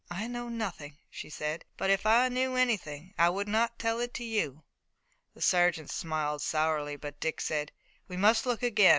"I know nothing," she said, "but if I knew anything I would not tell it to you." The sergeant smiled sourly, but Dick said: "We must look again.